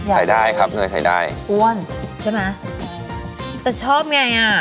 ขายได้ครับเนยขายได้อ้วนใช่ไหมแต่ชอบไงอ่ะ